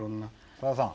さださん。